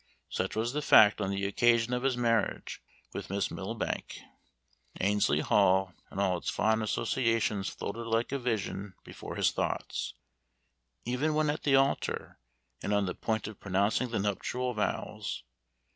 Such was the fact on the occasion of his marriage with Miss Milbanke; Annesley Hall and all its fond associations floated like a vision before his thoughts, even when at the altar, and on the point of pronouncing the nuptial vows.